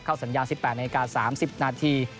เข้าสัญญา๑๘นาทีอเมริกา๓๐นาที